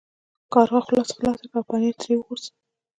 کارغه خوله خلاصه کړه او پنیر ترې وغورځید.